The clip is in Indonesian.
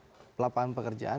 yang ketiga soal pelapaan pekerjaan